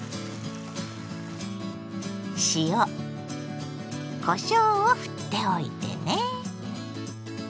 塩こしょうをふっておいてね。